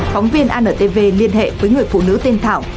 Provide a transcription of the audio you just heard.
phóng viên antv liên hệ với người phụ nữ tên thảo